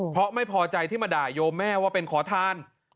เพราะไม่พอใจที่มาด่าโยมแม่ว่าเป็นขอทาน